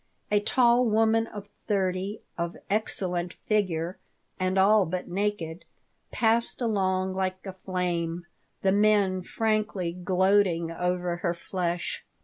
A tall woman of thirty, of excellent figure, and all but naked, passed along like a flame, the men frankly gloating over her flesh.